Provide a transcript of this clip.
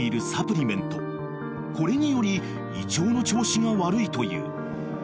［これにより胃腸の調子が悪いという］